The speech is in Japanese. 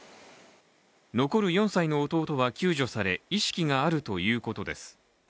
残る４歳の弟は救助され意識があるということです。